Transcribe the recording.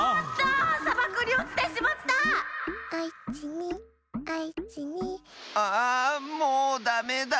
あんもうダメだ。